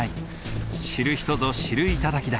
知る人ぞ知る頂だ。